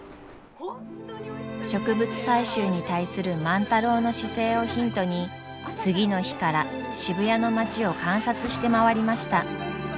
植物採集に対する万太郎の姿勢をヒントに次の日から渋谷の町を観察して回りました。